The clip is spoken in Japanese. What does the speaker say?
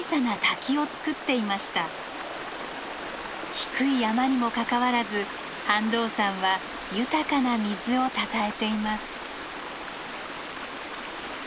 低い山にもかかわらず飯道山は豊かな水をたたえています。